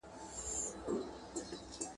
حبیبي له همدې لارې